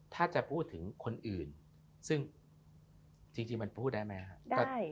ถ้าจะพูดถึงคนอื่นซึ่งจริงมันพูดได้ไหมครับ